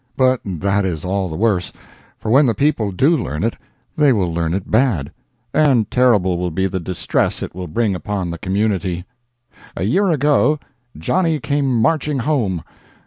But that is all the worse; for when the people do learn it they will learn it bad—and terrible will be the distress it will bring upon the community. A year ago "Johnny came marching home!"